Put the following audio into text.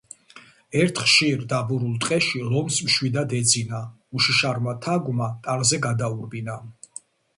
ერთ ხშირ, დაბურულ ტყეში ლომს მშვიდად ეძინა უშიშარმა თაგვმა ტანზე გადაურბინა.